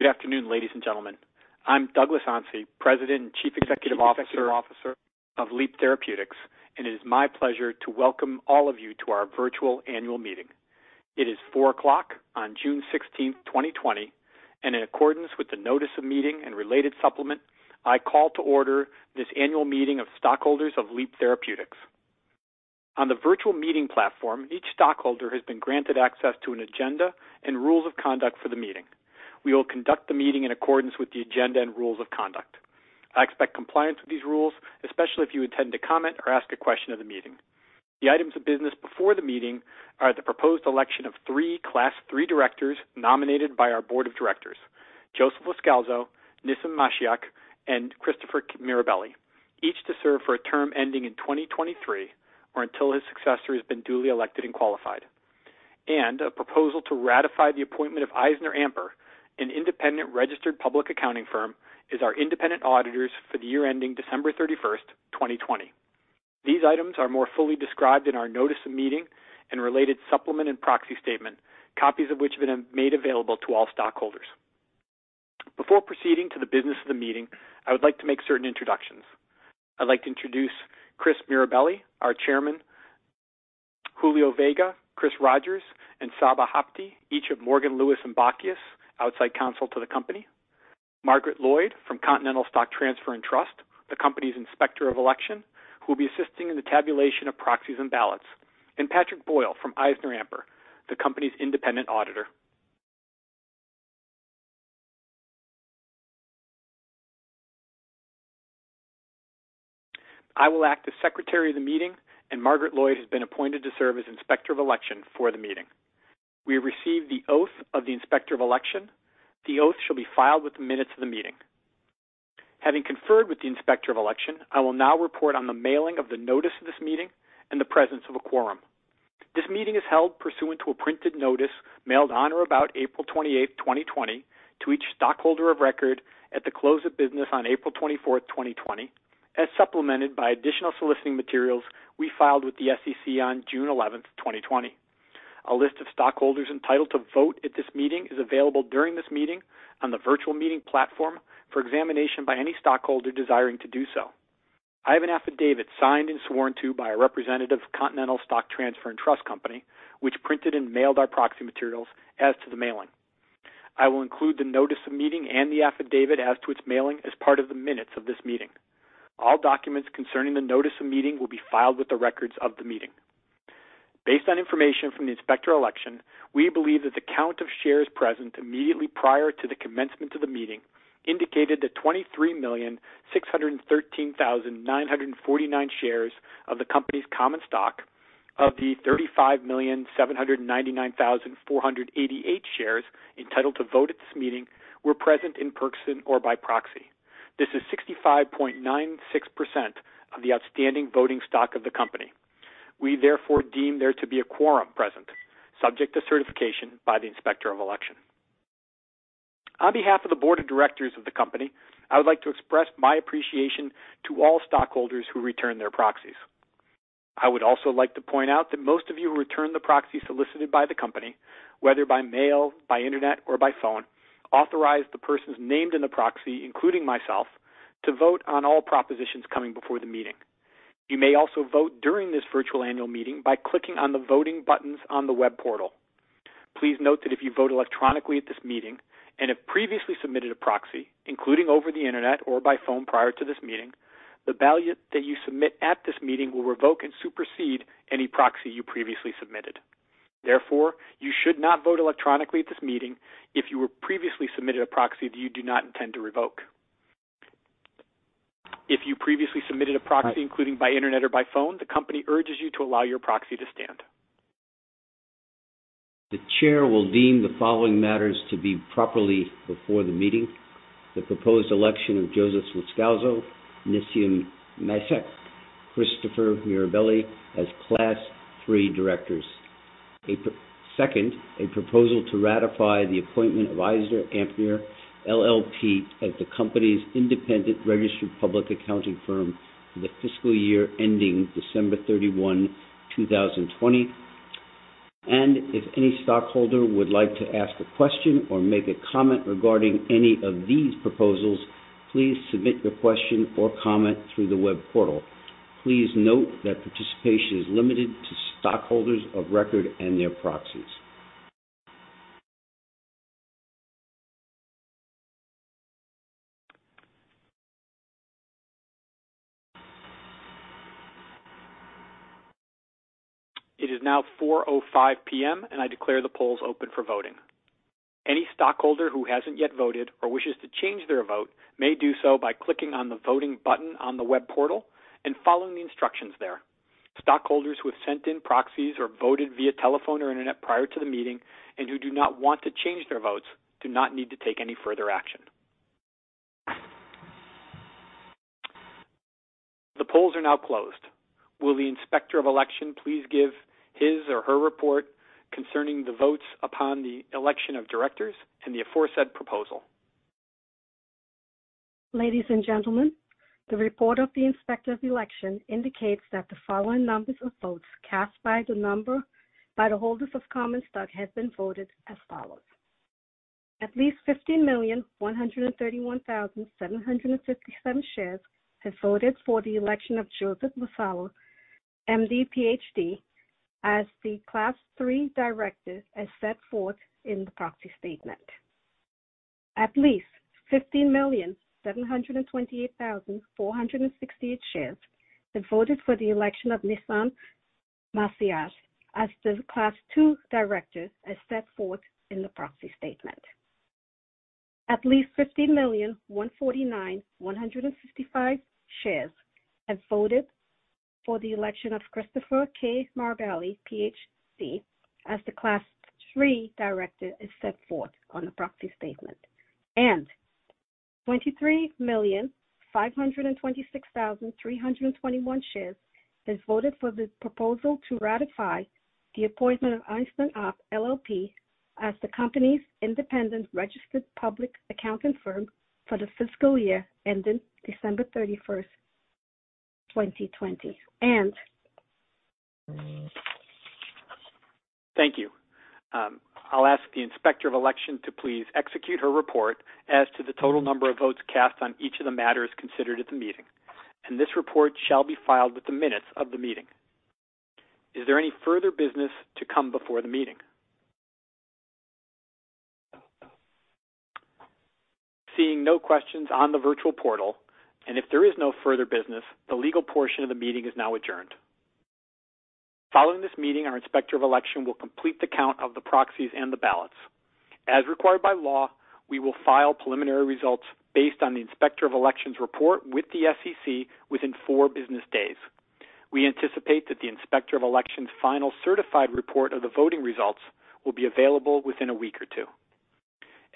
Good afternoon, ladies and gentlemen. I'm Douglas Onsi, President and Chief Executive Officer of Leap Therapeutics, and it is my pleasure to welcome all of you to our virtual annual meeting. It is 4:00 P.M. on June 16th, 2020. In accordance with the notice of meeting and related supplement, I call to order this annual meeting of stockholders of Leap Therapeutics. On the virtual meeting platform, each stockholder has been granted access to an agenda and rules of conduct for the meeting. We will conduct the meeting in accordance with the agenda and rules of conduct. I expect compliance with these rules, especially if you intend to comment or ask a question at the meeting. The items of business before the meeting are the proposed election of three Class III directors nominated by our board of directors, Joseph Loscalzo, Nissim Mashiach, and Christopher Mirabelli, each to serve for a term ending in 2023, or until his successor has been duly elected and qualified. A proposal to ratify the appointment of EisnerAmper, an independent registered public accounting firm, as our independent auditors for the year ending December 31, 2020. These items are more fully described in our notice of meeting and related supplement and proxy statement, copies of which have been made available to all stockholders. Before proceeding to the business of the meeting, I would like to make certain introductions. I'd like to introduce Chris Mirabelli, our chairman, Julio Vega, Chris Rogers, and Saba Habte, each of Morgan, Lewis & Bockius, outside counsel to the company. Margaret Lloyd from Continental Stock Transfer and Trust, the company's Inspector of Election, who will be assisting in the tabulation of proxies and ballots. Patrick Boyle from EisnerAmper, the company's independent auditor. I will act as Secretary of the Meeting, and Margaret Lloyd has been appointed to serve as Inspector of Election for the Meeting. We have received the oath of the Inspector of Election. The oath shall be filed with the minutes of the Meeting. Having conferred with the Inspector of Election, I will now report on the mailing of the notice of this Meeting and the presence of a quorum. This Meeting is held pursuant to a printed notice mailed on or about April 28th, 2020, to each stockholder of record at the close of business on April 24th, 2020, as supplemented by additional soliciting materials we filed with the SEC on June 11th, 2020. A list of stockholders entitled to vote at this meeting is available during this meeting on the virtual meeting platform for examination by any stockholder desiring to do so. I have an affidavit signed and sworn to by a representative of Continental Stock Transfer & Trust Company, which printed and mailed our proxy materials as to the mailing. I will include the notice of meeting and the affidavit as to its mailing as part of the minutes of this meeting. All documents concerning the notice of meeting will be filed with the records of the meeting. Based on information from the Inspector of Election, we believe that the count of shares present immediately prior to the commencement of the meeting indicated that 23,613,949 shares of the company's common stock of the 35,799,488 shares entitled to vote at this meeting were present in person or by proxy. This is 65.96% of the outstanding voting stock of the company. We therefore deem there to be a quorum present, subject to certification by the Inspector of Election. On behalf of the board of directors of the company, I would like to express my appreciation to all stockholders who returned their proxies. I would also like to point out that most of you who returned the proxy solicited by the company, whether by mail, by internet, or by phone, authorized the persons named in the proxy, including myself, to vote on all propositions coming before the meeting. You may also vote during this virtual annual meeting by clicking on the voting buttons on the web portal. Please note that if you vote electronically at this meeting and have previously submitted a proxy, including over the internet or by phone prior to this meeting, the ballot that you submit at this meeting will revoke and supersede any proxy you previously submitted. Therefore, you should not vote electronically at this meeting if you previously submitted a proxy that you do not intend to revoke. If you previously submitted a proxy, including by internet or by phone, the company urges you to allow your proxy to stand. The chair will deem the following matters to be properly before the meeting. The proposed election of Joseph Loscalzo, Nissim Mashiach, Christopher Mirabelli as Class III directors. Second, a proposal to ratify the appointment of EisnerAmper LLP as the company's independent registered public accounting firm for the fiscal year ending December 31, 2020. If any stockholder would like to ask a question or make a comment regarding any of these proposals, please submit your question or comment through the web portal. Please note that participation is limited to stockholders of record and their proxies. It is now 4:05 P.M., and I declare the polls open for voting. Any stockholder who hasn't yet voted or wishes to change their vote may do so by clicking on the voting button on the web portal and following the instructions there. Stockholders who have sent in proxies or voted via telephone or internet prior to the meeting and who do not want to change their votes do not need to take any further action. The polls are now closed. Will the Inspector of Election please give his or her report concerning the votes upon the election of directors and the aforesaid proposal? Ladies and gentlemen, the report of the Inspector of Election indicates that the following numbers of votes cast by the holders of common stock has been voted as follows: At least 15,131,757 shares have voted for the election of Joseph Loscalzo, MD, PhD, as the Class III Director as set forth in the proxy statement. At least 15,728,468 shares have voted for the election of Nissim Mashiach as the Class III Director, as set forth in the proxy statement. At least 15,149,155 shares have voted for the election of Christopher K. Mirabelli, PhD, as the Class III Director as set forth on the proxy statement. 23,526,321 shares have voted for the proposal to ratify the appointment of EisnerAmper LLP as the company's independent registered public accounting firm for the fiscal year ending December 31st, 2020. Thank you. I'll ask the Inspector of Election to please execute her report as to the total number of votes cast on each of the matters considered at the meeting, and this report shall be filed with the minutes of the meeting. Is there any further business to come before the meeting? Seeing no questions on the virtual portal, and if there is no further business, the legal portion of the meeting is now adjourned. Following this meeting, our Inspector of Election will complete the count of the proxies and the ballots. As required by law, we will file preliminary results based on the Inspector of Election's report with the SEC within four business days. We anticipate that the Inspector of Election's final certified report of the voting results will be available within a week or two.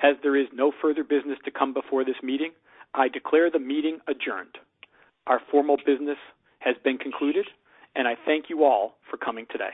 As there is no further business to come before this meeting, I declare the meeting adjourned. Our formal business has been concluded. I thank you all for coming today.